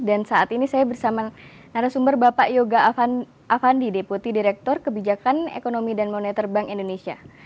dan saat ini saya bersama narasumber bapak yoga avandi deputi direktur kebijakan ekonomi dan moneter bank indonesia